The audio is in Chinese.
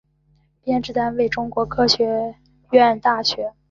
编制单位中国科学院大学